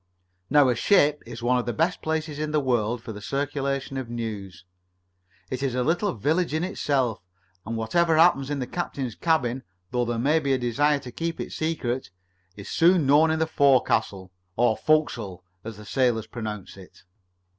Now a ship is one of the best places in the world for the circulation of news. It is a little village in itself, and what happens in the captain's cabin, though there may be a desire to keep it secret, is soon known in the forecastle, or "fo'kesel," as the sailors pronounce it.